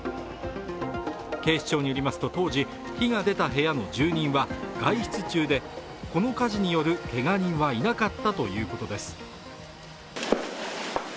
警視庁によりますと、当時火が出た部屋の住人は外出中でこの火事によるけが人はいなかったということです。